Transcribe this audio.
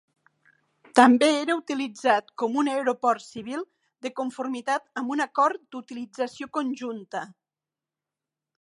També era utilitzat com un aeroport civil de conformitat amb un acord d"utilització conjunta.